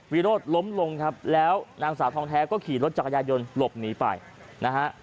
วิโรธล้มลงครับแล้วนางสาวทองแท้ก็ขี่รถจักรยายนต์หลบหนีไปนะฮะ